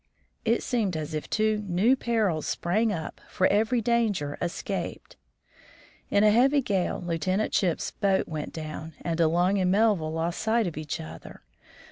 It seemed as if two new perils sprang up for every danger escaped. In a heavy gale Lieutenant Chipps's boat went down, and De Long and Melville lost sight of each other.